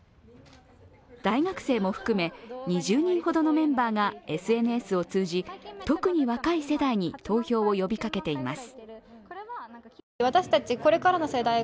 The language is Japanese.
大学生も含め、２０人ほどのメンバーがＳＮＳを通じ特に若い世代に投票を呼びかけています。